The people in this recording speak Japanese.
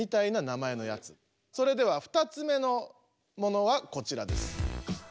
それでは２つ目のものはこちらです。